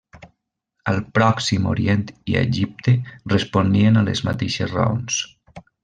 Al Pròxim Orient i a Egipte responien a les mateixes raons.